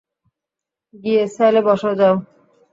গিয়ে সেলে বসো, যাও।